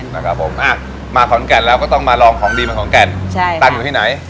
นะครับผมอ่ะมาขอนแก่นแล้วก็ต้องมาลองของดีมาขอนแก่นใช่ตั้งอยู่ที่ไหน